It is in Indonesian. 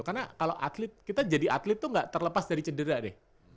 karena kalau atlet kita jadi atlet tuh gak terlepas dari cedera deh